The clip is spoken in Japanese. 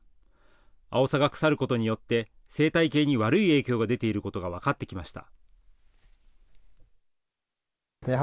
アオサが腐ることによって生態系に悪い影響が出ていることが分かってきました。